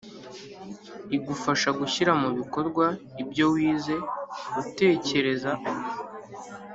igufasha gushyira mu bikorwa ibyo wize utekereza